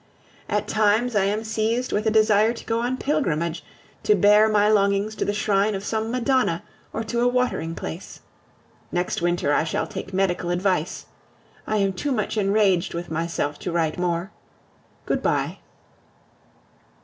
At times I am seized with a desire to go on pilgrimage, to bear my longings to the shrine of some madonna or to a watering place. Next winter I shall take medical advice. I am too much enraged with myself to write more. Good bye.